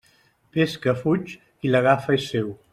Peix que fuig, qui l'agafa és seu.